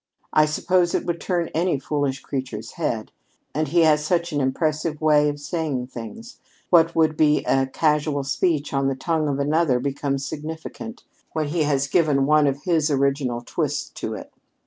I suppose it would turn any foolish creature's head. And he has such an impressive way of saying things! What would be a casual speech on the tongue of another becomes significant, when he has given one of his original twists to it.